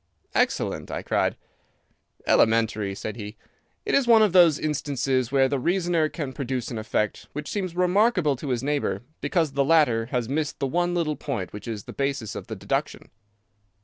"Excellent!" I cried. "Elementary," said he. "It is one of those instances where the reasoner can produce an effect which seems remarkable to his neighbour, because the latter has missed the one little point which is the basis of the deduction.